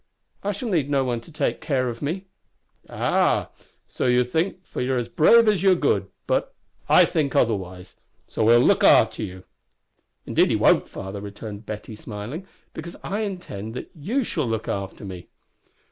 "I shall need no one to take care of me." "Ah! so you think, for you're as brave as you're good; but I think otherwise. So he'll look arter you." "Indeed he won't, father!" returned Betty, smiling, "because I intend that you shall look after me."